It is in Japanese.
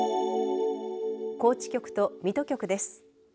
高知局と水戸局です。